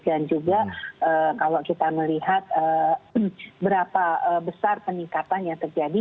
dan juga kalau kita melihat berapa besar peningkatan yang terjadi